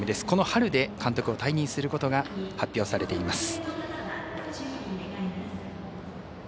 この春で、監督を退任することが発表されています。